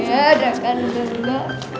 ya udah kan udah dulu